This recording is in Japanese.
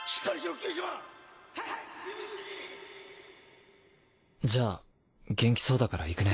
犬磴元気そうだから行くね。